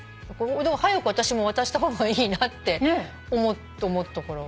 早く私も渡した方がいいなって思ったから。